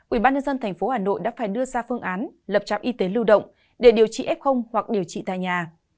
ubnd tp hà nội đã phải đưa ra phương án lập trạm y tế lưu động để điều trị f hoặc điều trị tại nhà